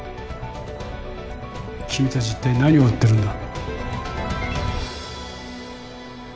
君たち一体何を追ってるんだ？